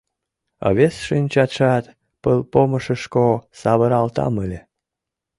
Вес шинчатшат пылпомышышко савыралтам ыле!